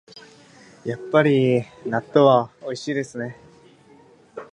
やっぱり納豆はおいしいですね